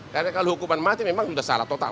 karena kalau hukuman mati memang sudah salah total